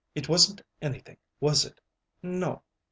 It wasn't anything, was it? No."